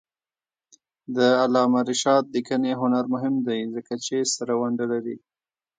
د علامه رشاد لیکنی هنر مهم دی ځکه چې ستره ونډه لري.